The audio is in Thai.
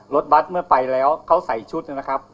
รถบัตรเมื่อไปแล้วเขาใส่ชุดนะครับ